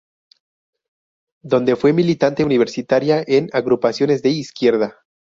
Donde fue militante universitaria en agrupaciones de izquierda.